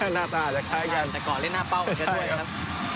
หน้าตาอาจจะคล้ายกันแต่ก่อนเล่นหน้าเป้าไปซะด้วยครับ